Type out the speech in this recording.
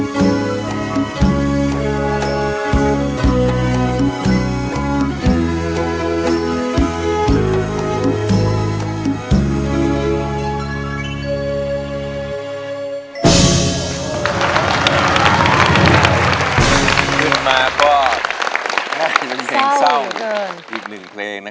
กลุ่มมาก็น่าจะเป็นเพลงเศร้าอีกหนึ่งเพลงนะครับว่างไงครับรูปเพลงนี้